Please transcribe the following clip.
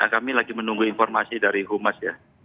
kami lagi menunggu informasi dari humas ya